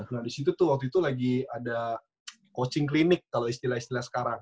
nah disitu tuh waktu itu lagi ada coaching klinik kalau istilah istilah sekarang